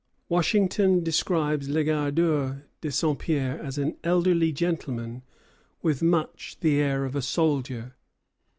Washington describes Legardeur de Saint Pierre as "an elderly gentleman with much the air of a soldier."